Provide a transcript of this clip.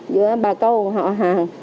giữa bà câu họ hàng